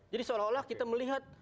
jadi seolah olah kita melihat